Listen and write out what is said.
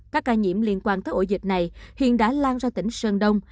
các ca nhiễm liên quan tới ổ dịch này hiện đã lan ra tỉnh sơn đông